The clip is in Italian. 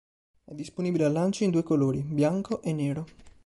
È disponibile al lancio in due colori, bianco e nero.